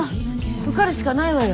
受かるしかないわよ